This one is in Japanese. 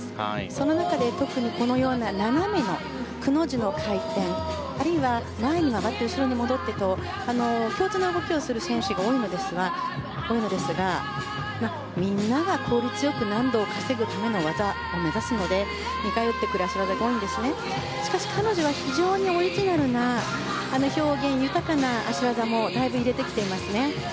その中で特に斜めの、くの字の回転あるいは後ろに戻ってという共通の動きをする選手が多いのですが、みんなが効率よく難度を稼ぐための技を目指しますので似通ってくる脚技が多いんですがしかし彼女はオリジナルで表現豊かな脚技もだいぶ入れてきていますね。